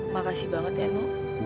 makasih banget ya no